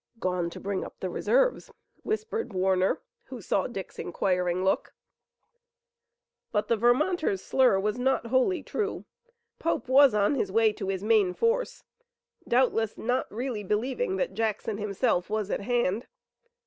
"Gone to bring up the reserves," whispered Warner, who saw Dick's inquiring look. But the Vermonter's slur was not wholly true. Pope was on his way to his main force, doubtless not really believing that Jackson himself was at hand.